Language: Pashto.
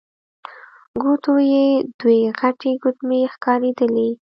ګوتو يې دوې غټې ګوتمۍ ښکارېدلې.